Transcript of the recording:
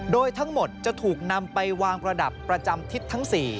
โดยทั้งหมดจะถูกนำไปวางประดับประจำทิศทั้ง๔